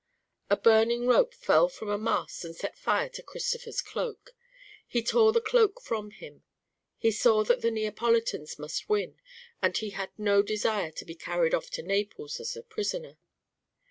A burning rope fell from a mast and set fire to Christopher's cloak. He tore the cloak from him. He saw that the Neapolitans must win and he had no desire to be carried off to Naples as a prisoner.